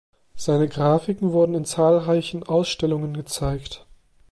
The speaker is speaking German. Seine Grafiken wurden in zahlreichen Ausstellungen gezeigt.